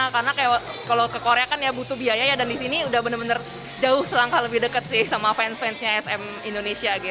karena kayak kalau ke korea kan ya butuh biaya dan disini udah bener bener jauh selangkah lebih dekat sih sama fans fansnya sm indonesia gitu